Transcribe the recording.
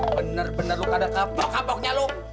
bener bener lo kadang kabok kaboknya lo